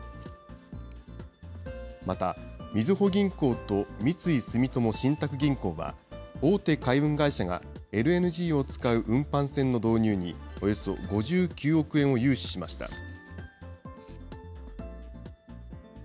また、みずほ銀行と三井住友信託銀行は、大手海運会社がＬＮＧを使う運搬船の導入に、およそ５９億円を融資しました。